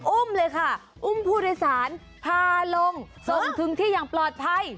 อุ้มเลยค่ะอุ้มผู้โดยสารพาลงส่งถึงที่อย่างปลอดภัย